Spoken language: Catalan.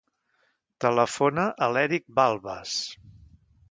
Telefona a l'Èric Balbas.